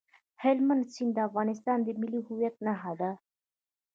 هلمند سیند د افغانستان د ملي هویت نښه ده.